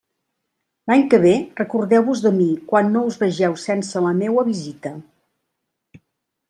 L'any que ve recordeu-vos de mi quan no us vegeu sense la meua visita.